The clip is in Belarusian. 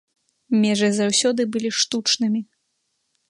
Межы заўсёды былі штучнымі.